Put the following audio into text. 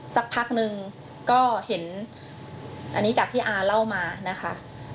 สักพักนึงก็เห็นอันนี้จากที่อาเล่ามานะคะ